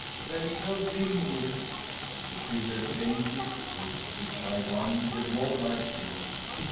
"There is no vim in it." The fiddler changed his tune; he tried one with more life in it.